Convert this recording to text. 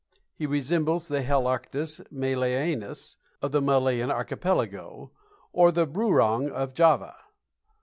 He resembles the Helarctos Malayanus of the Malayan archipelago or the Bruang of Java.